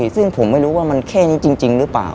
ซึ่งผมไม่รู้ว่ามันแค่นี้จริงหรือเปล่า